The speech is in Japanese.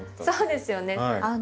そうですよね。